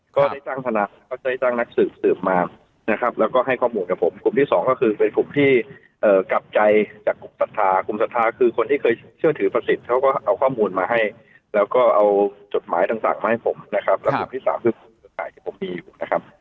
ก็ได้จ้างธนาคต์ก็ได้จ้างนักสืบสืบมานะครับแล้วก็ให้ข้อมูลกับผมกลุ่มที่สองก็คือเป็นกลุ่มที่เอ่อกลับใจจากกลุ่มสัตว์ภาคกลุ่มสัตว์ภาคคือคนที่เคยเชื่อถือภาษิตเขาก็เอาข้อมูลมาให้แล้วก็เอาจดหมายทางสากมาให้ผมนะครับ